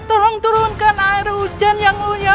terung terungkan air hujan yang mulia